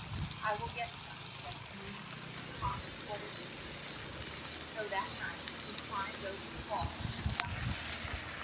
"I will get some," said he, "cost what it will." So that night he climbed o ver the wall and got some.